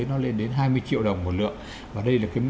nó lên đến hai mươi triệu đồng một lượng